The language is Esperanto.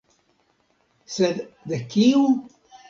Sed de kiu?